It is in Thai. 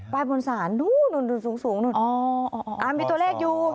ป้ายบนสารนู่นสูงนู่น